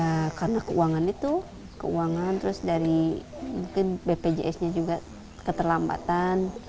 ya karena keuangan itu keuangan terus dari mungkin bpjs nya juga keterlambatan